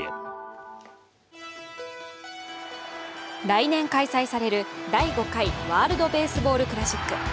来年開催される第５回ワールドベースボールクラシック。